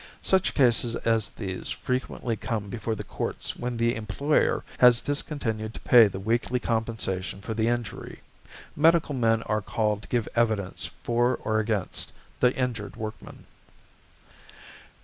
Such cases as these frequently come before the courts when the employer has discontinued to pay the weekly compensation for the injury. Medical men are called to give evidence for or against the injured workman.